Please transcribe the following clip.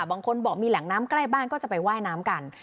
บางคนบอกมีแหล่งน้ำใกล้บ้านก็จะไปว่ายน้ำกัน